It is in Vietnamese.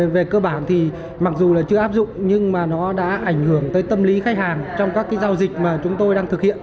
về cơ bản thì mặc dù là chưa áp dụng nhưng mà nó đã ảnh hưởng tới tâm lý khách hàng trong các giao dịch mà chúng tôi đang thực hiện